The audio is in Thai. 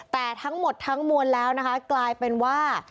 แต่ทั้งหมดทั้งมวลแล้วนะคะกลายเป็นว่า